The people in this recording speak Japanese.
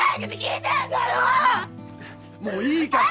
ああもういいから。